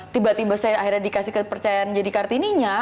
tiba tiba saya akhirnya dikasih kepercayaan jadi kartininya